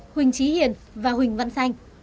huỳnh trí hiền và huỳnh văn xanh